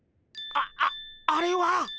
ああれは。